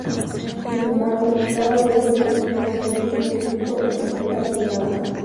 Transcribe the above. Sin embargo, cada vez es más común su uso en la empresa privada.